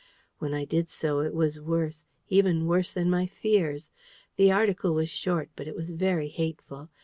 When I did so, it was worse, even worse than my fears. The article was short, but it was very hateful.